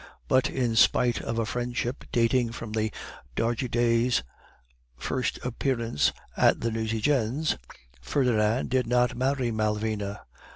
But in spite of a friendship dating from the d'Aldriggers' first appearance at the Nucingens', Ferdinand did not marry Malvina.